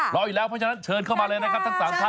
รออยู่แล้วเพราะฉะนั้นเชิญเข้ามาเลยนะครับทั้ง๓ท่าน